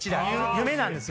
夢なんですよ。